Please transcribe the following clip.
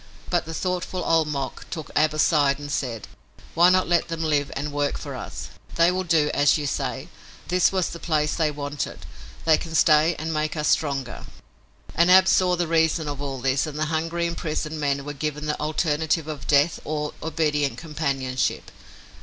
But the thoughtful Old Mok took Ab aside and said: "Why not let them live and work for us? They will do as you say. This was the place they wanted. They can stay and make us stronger." And Ab saw the reason of all this and the hungry, imprisoned men were given the alternative of death or obedient companionship.